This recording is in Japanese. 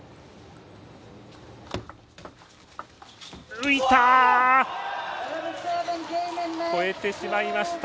浮いた！